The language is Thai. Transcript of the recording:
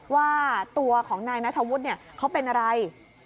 ว่าตัวของนายนัทธวุฒิเขาเป็นอะไร